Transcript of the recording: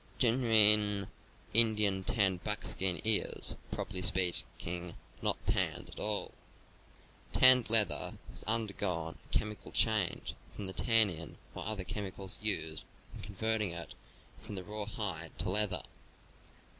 Genuine Indian tanned buckskin is, prop erly speaking, not tanned at all. Tanned leather has undergone a chemical change, from the tannin or other chemicals used in converting it from the raw hide to leather.